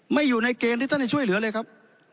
อยู่ในเกณฑ์ที่ท่านจะช่วยเหลือเลยครับ